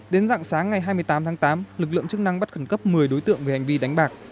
đến dạng sáng ngày hai mươi tám tháng tám lực lượng chức năng bắt khẩn cấp một mươi đối tượng về hành vi đánh bạc